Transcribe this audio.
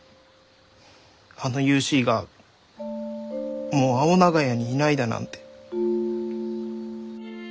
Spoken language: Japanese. あのユーシーがもう青長屋にいないだなんて。